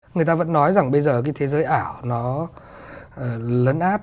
người ta vẫn nói rằng bây giờ cái thế giới ảo nó lấn át